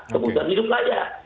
kebutuhan hidup layak